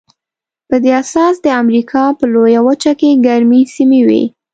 په دې اساس د امریکا په لویه وچه کې ګرمې سیمې وې.